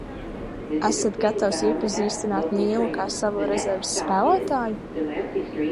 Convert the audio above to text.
Esat gatavs iepazīstināt Nīlu kā savu rezerves spēlētāju?